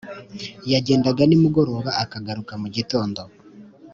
Yagendaga nimugoroba akagaruka mu gitondo